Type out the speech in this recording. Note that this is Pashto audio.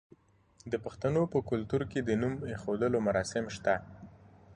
د پښتنو په کلتور کې د نوم ایښودلو مراسم شته.